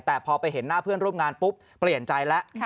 แต่พอไปเห็นหน้าเพื่อนร่วมงานปุ๊บเปลี่ยนใจแล้ว